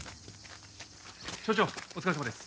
署長お疲れさまです。